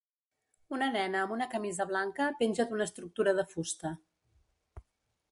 Una nena amb una camisa blanca penja d'una estructura de fusta.